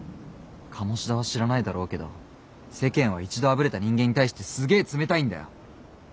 鴨志田は知らないだろうけど世間は一度あぶれた人間に対してすげえ冷たいんだよ。